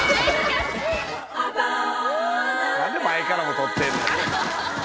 何で前からも撮ってんねん。